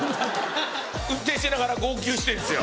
運転しながら号泣してんですよ。